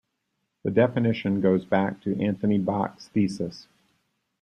The definition goes back to Anthony Bak's thesis.